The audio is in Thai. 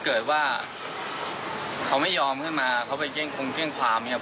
คุณพีชบอกไม่อยากให้เป็นข่าวดังเหมือนหวยโอนละเวง๓๐ใบจริงและก็รับลอตเตอรี่ไปแล้วด้วยนะครับ